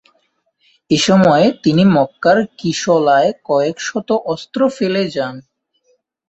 এসময় তিনি মক্কার কিশলায় কয়েকশত অস্ত্র ফেলে যান।